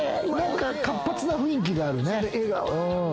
活発な雰囲気があるね。